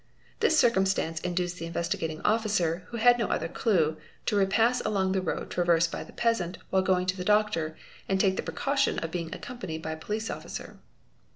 This circumstance induced the Investigating Officer,' who had no other clue, to repass along the road traversed by the peasant " while going to the doctor and take the precaution of being accompanied © by a police officer.